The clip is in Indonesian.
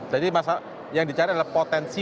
jadi yang dicari adalah potensi masalah